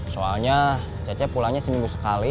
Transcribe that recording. soalnya cecep pulangnya satu minggu sekali